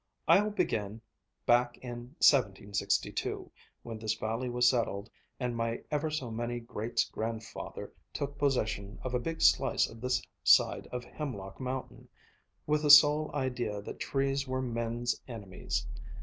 "I'll begin back in 1762, when this valley was settled and my ever so many greats grandfather took possession of a big slice of this side of Hemlock Mountain, with the sole idea that trees were men's enemies.